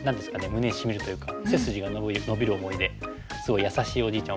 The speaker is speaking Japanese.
胸にしみるというか背筋が伸びる思いですごい優しいおじいちゃん